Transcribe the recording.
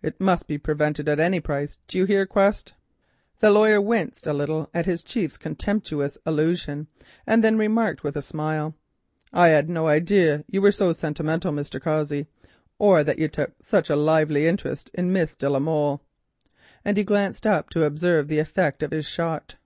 It must be prevented at any price—do you hear, Quest?" The lawyer winced a little at his chief's contemptuous allusion, and then remarked with a smile, "I had no idea that you were so sentimental, Mr. Cossey, or that you took such a lively interest in Miss de la Molle," and he glanced up to observe the effect of his shot.